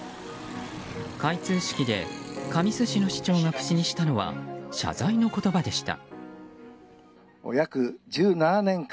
開通式で神栖市の市長が口にしたのは謝罪の言葉でした。